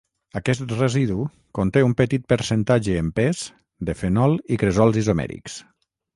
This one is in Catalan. Aquest residu conté un petit percentatge en pes de fenol i cresols isomèrics